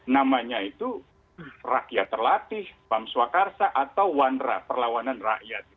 namanya itu rakyat terlatih pemsoekarsa atau wanra perlawanan rakyat